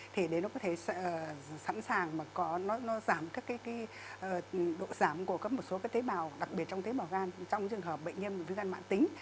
thì đấy nó có thể sẵn sàng mà nó giảm các cái độ giảm của các một số tế bào đặc biệt trong tế bào gan trong trường hợp bệnh nhân viêm gan mạng tính